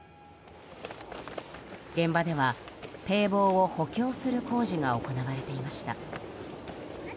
現場では堤防を補強する工事が行われていました。